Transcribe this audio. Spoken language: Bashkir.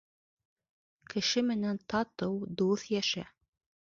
Кеше менән татыу, дуҫ йәшә!